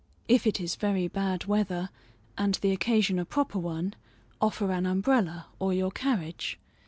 If it is very bad weather, and the occasion a proper one, offer an umbrella or your carriage.